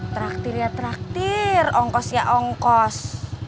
traktir ya traktir ongkos ya ongkos